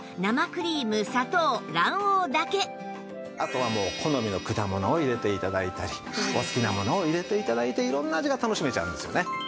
あとはもう好みの果物を入れて頂いたりお好きなものを入れて頂いて色んな味が楽しめちゃうんですよね。